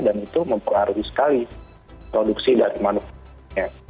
dan itu memperaruhi sekali produksi dari manusia